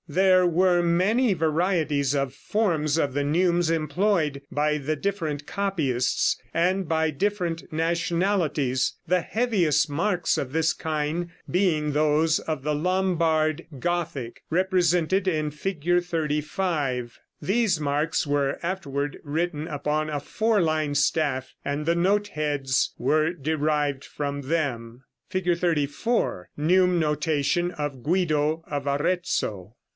There were many varieties of forms of the neumes employed by the different copyists and by different nationalities, the heaviest marks of this kind being those of the Lombard Gothic represented in Fig. 35. These marks were afterward written upon a four line staff, and the note heads were derived from them. [Illustration: Fig. 34. NEUME NOTATION OF GUIDO OF AREZZO.